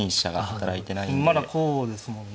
まだこうですもんね。